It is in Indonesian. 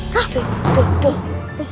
tuh tuh tuh